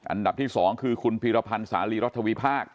อันดับที่๒คือคุณพีรพันธ์สาลีรัฐวิพากษ